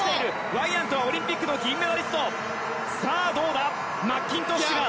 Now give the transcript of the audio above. ワイヤントはオリンピックの銀メダリスト。